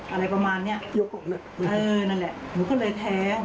อะไรประมาณนี้เออนั่นแหละหนูก็เลยแท้